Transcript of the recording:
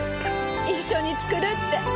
一緒に作るって。